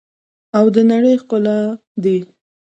او د نړۍ ښکلا دي.